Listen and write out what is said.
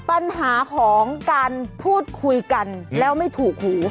ปัญหาของการพูดคุยกันแล้วไม่ถูกหู